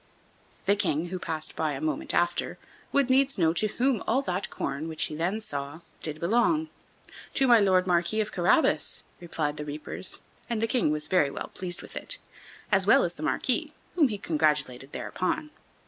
The King, who passed by a moment after, would needs know to whom all that corn, which he then saw, did belong. "To my Lord Marquis of Carabas," replied the reapers, and the King was very well pleased with it, as well as the Marquis, whom he congratulated thereupon.